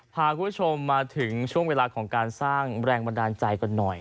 พาคุณผู้ชมมาถึงช่วงเวลาของการสร้างแรงบันดาลใจกันหน่อย